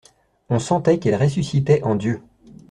On sentait qu'elle ressuscitait en Dieu.